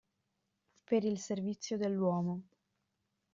Per il servizio dell'uomo.